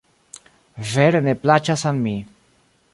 Vere ne plaĉas al mi